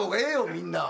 みんな。